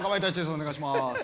お願いします。